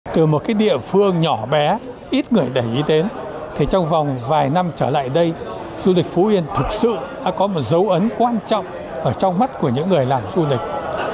từ một địa phương nhỏ bé ít người để ý đến thì trong vòng vài năm trở lại đây du lịch phú yên thực sự đã có một dấu ấn quan trọng ở trong mắt của những người làm du lịch